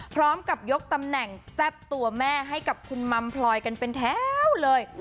พร้อมกับยกตำแหน่งแซ่บตัวแม่ให้กับคุณมัมพลอยกันเป็นแถวเลย